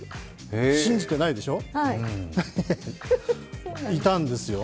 信じてないでしょ？